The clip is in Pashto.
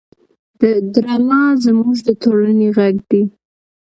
ډرامه زموږ د ټولنې غږ دی